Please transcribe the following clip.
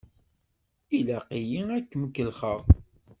Ilaq-iyi ad kem-kellexeɣ!